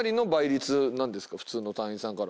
普通の隊員さんから。